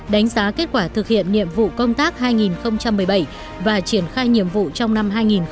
đánh giá kết quả thực hiện nhiệm vụ công tác hai nghìn một mươi bảy và triển khai nhiệm vụ trong năm hai nghìn một mươi chín